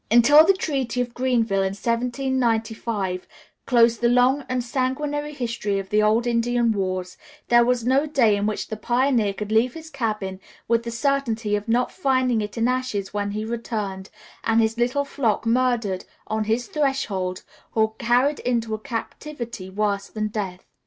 Until the treaty of Greenville, in 1795, closed the long and sanguinary history of the old Indian wars, there was no day in which the pioneer could leave his cabin with the certainty of not finding it in ashes when he returned, and his little flock murdered on his threshold, or carried into a captivity worse than death.